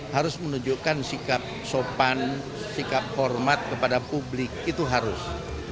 harus menunjukkan sikap sopan sikap hormat kepada publik itu harus